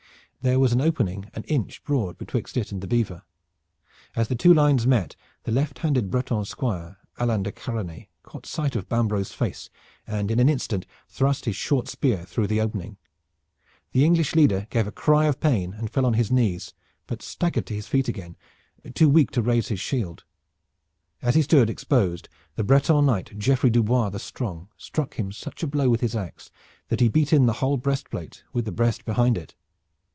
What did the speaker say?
There was an opening an inch broad betwixt it and the beaver. As the two lines met the left handed Breton squire, Alain de Karanais, caught sight of Bambro's face, and in an instant thrust his short spear through the opening. The English leader gave a cry of pain and fell on his knees, but staggered to his feet again, too weak to raise his shield. As he stood exposed the Breton knight, Geoffrey Dubois the Strong, struck him such a blow with his ax that he beat in the whole breast plate with the breast behind it.